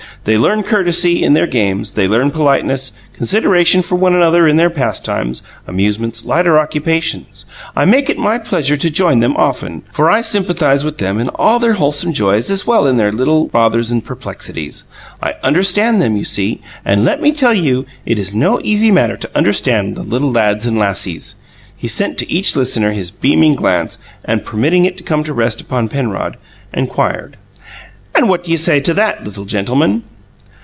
They learn courtesy in their games; they learn politeness, consideration for one another in their pastimes, amusements, lighter occupations. I make it my pleasure to join them often, for I sympathize with them in all their wholesome joys as well as in their little bothers and perplexities. I understand them, you see; and let me tell you it is no easy matter to understand the little lads and lassies." He sent to each listener his beaming glance, and, permitting it to come to rest upon Penrod, inquired: "And what do you say to that, little gentleman?"